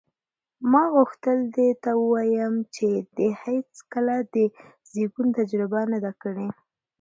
ما غوښتل دې ته ووایم چې دې هېڅکله د زېږون تجربه نه ده کړې.